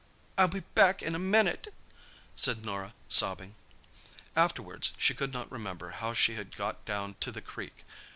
"I'll be back in a minute," said Norah, sobbing. Afterwards she could not remember how she had got down to the creek.